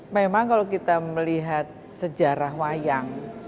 memang kalau kita melihat sejarah wayang